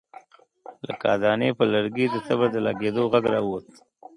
له کاهدانې پر لرګي د تبر د لګېدو غږ را ووت.